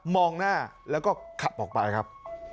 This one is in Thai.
หน้าแล้วก็ขับออกไปครับ